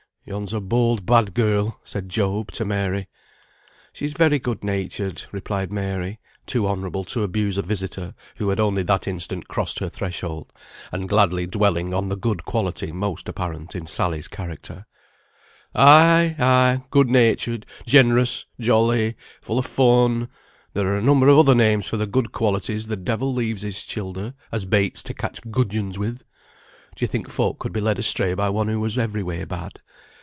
"Yon's a bold, bad girl," said Job to Mary. "She's very good natured," replied Mary, too honourable to abuse a visitor who had only that instant crossed her threshold, and gladly dwelling on the good quality most apparent in Sally's character. "Ay, ay! good natured, generous, jolly, full of fun; there are a number of other names for the good qualities the devil leaves his childer, as baits to catch gudgeons with. D'ye think folk could be led astray by one who was every way bad?